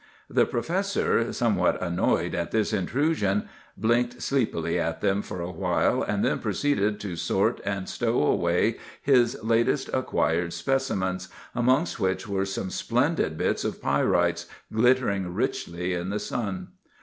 "The professor, somewhat annoyed at this intrusion, blinked sleepily at them for a while, and then proceeded to sort and stow away his latest acquired specimens, amongst which were some splendid bits of pyrites, glittering richly in the sun.